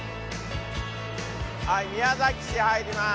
宮崎市入ります。